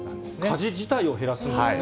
家事自体を減らすんですね。